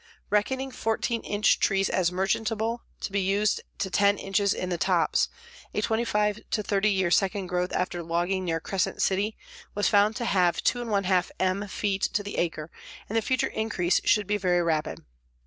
Reckoning 14 inch trees as merchantable, to be used to 10 inches in the tops, a 25 to 30 year second growth after logging near Crescent City was found to have 2 1/2 M feet to the acre and the future increase should be very rapid.